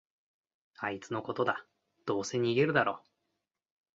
あいつのことだ、どうせ逃げるだろ